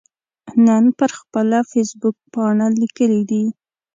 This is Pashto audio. نن پر خپله فیسبوکپاڼه لیکلي دي